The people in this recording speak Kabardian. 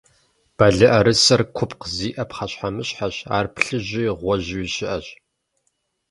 Балийӏэрысэр купкъ зиӏэ пхъэщхьэмыщхьэщ, ар плъыжьууи гъуэжьууи щыӏэщ.